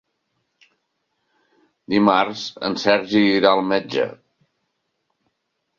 Dimarts en Sergi irà al metge.